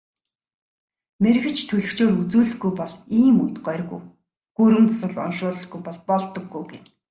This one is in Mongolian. Мэргэч төлгөчөөр үзүүлэлгүй бол ийм үед горьгүй, гүрэм засал уншуулалгүй бол болдоггүй гэнэ.